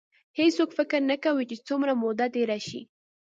هېڅوک فکر نه کوي چې څومره موده تېره شي.